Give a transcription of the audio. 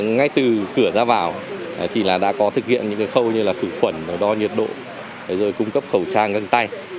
ngay từ cửa ra vào thì đã có thực hiện những khâu như là khử khuẩn đo nhiệt độ rồi cung cấp khẩu trang găng tay